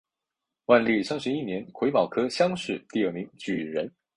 万历三十一年癸卯科乡试第二名举人。